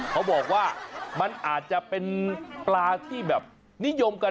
เขาบอกว่ามันอาจจะเป็นปลาที่แบบนิยมกัน